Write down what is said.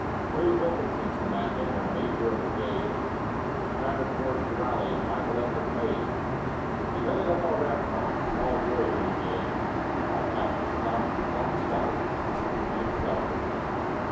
Brave Wilkinson commanding, A major of brigade, The shattered force to rally A final effort made. He led it up our ramparts, Small glory did he gain Our captives some; some slaughtered, And he himself was slain.